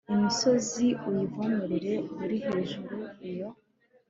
imisozi uyivomerera uri hejuru iyo